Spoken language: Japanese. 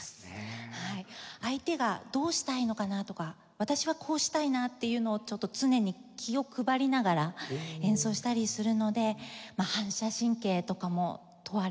相手がどうしたいのかなとか私はこうしたいなっていうのをちょっと常に気を配りながら演奏したりするので反射神経とかも問われますし。